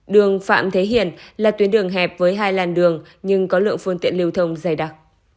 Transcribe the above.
đường phạm thế hiền là tuyến đường hẹp với hai làn đường nhưng có lượng phương tiện lưu thông dày đặc